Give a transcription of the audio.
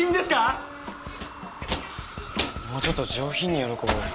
もうちょっと上品に喜ぼうよ。